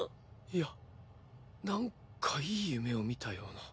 いやなんかいい夢を見たような。